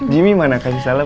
jimmy mana kasih salam